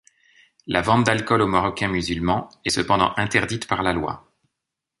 La vente d'alcool aux Marocains musulmans est cependant interdite par la loi.